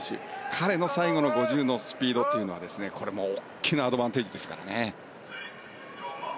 彼の最後の５０のスピードというのはこれも大きなアドバンテージですからね。